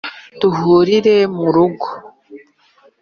duhurira mu rugo